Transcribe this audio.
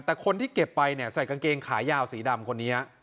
แต่คนที่เก็บไปเนี่ยใส่กางเกงขายาวสีดำคนนี้